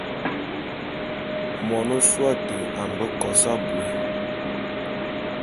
Mon ôsôé ate a mbe kos abui.